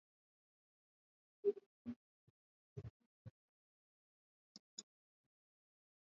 u ya kutoa uamuzi juu ya dhamana hiyo